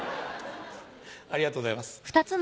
ありがとうございます。